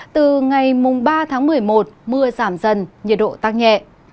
từ ngày ba tháng một mươi một mưa giảm dần nhiệt độ tăng nhẹ